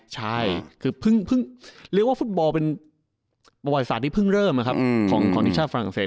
ใช่คือเพิ่งเรียกว่าฟุตบอลเป็นประวัติศาสตร์ที่เพิ่งเริ่มของทีมชาติฝรั่งเศส